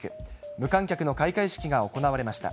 無観客の開会式が行われました。